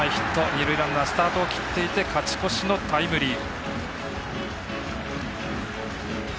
二塁ランナー、スタートを切って勝ち越しのタイムリー。